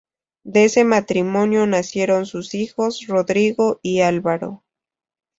De ese matrimonio nacieron sus hijos Rodrigo y Álvaro.